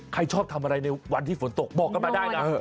ใครชอบทำอะไรในวันที่ฝนตกบอกกันมาได้นะ